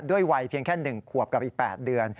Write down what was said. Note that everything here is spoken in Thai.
วัยเพียงแค่๑ขวบกับอีก๘เดือน